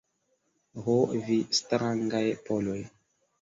Ho, vi strangaj Poloj!